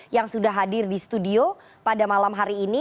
yang sudah hadir di studio pada malam hari ini